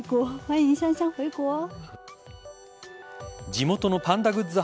地元のパンダグッズ